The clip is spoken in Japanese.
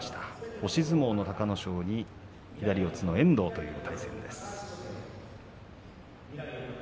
押し相撲の隆の勝に左四つの遠藤という対戦です。